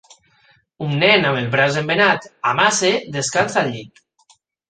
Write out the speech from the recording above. Un nen amb el braç embenat amb ACE descansa al llit.